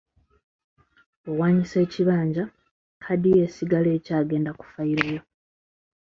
Bw'owaanyisa ekibanja, kkaadi yo esigala ekyagenda ku ffayiro yo.